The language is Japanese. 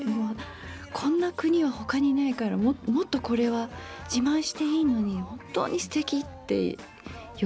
こんな国は他にないからもっとこれは自慢していいのに本当にすてきってよく言ってました。